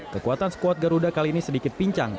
kekuatan skuad garuda kali ini sedikit pincang